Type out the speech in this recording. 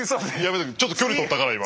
ちょっと距離とったから今。